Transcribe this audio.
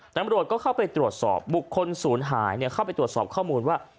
ตำรวจก็เข้าไปตรวจสอบบุคคลศูนย์หายเข้าไปตรวจสอบข้อมูลว่า